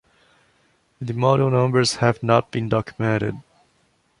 The model numbers have not been documented.